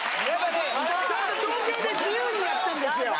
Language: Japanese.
東京で自由にやってんですよ。